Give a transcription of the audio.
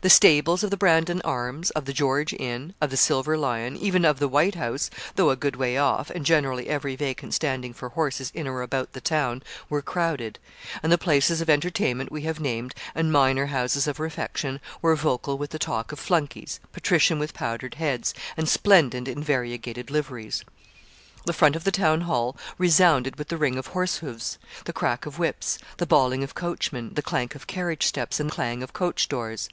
The stables of the 'Brandon Arms,' of the 'George Inn,' of the 'Silver Lion,' even of the 'White House,' though a good way off, and generally every vacant standing for horses in or about the town were crowded; and the places of entertainment we have named, and minor houses of refection, were vocal with the talk of flunkeys, patrician with powdered heads, and splendent in variegated liveries. The front of the Town Hall resounded with the ring of horse hoofs, the crack of whips, the bawling of coachmen, the clank of carriage steps and clang of coach doors.